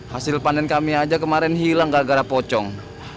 hasil panen kami aja kemarin hilang gara gara pocong